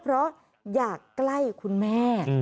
เพราะอยากใกล้คุณแม่